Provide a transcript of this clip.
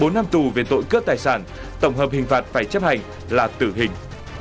bốn năm tù về tội cướp tài sản tổng hợp hình phạt phải chấp hành là tử hình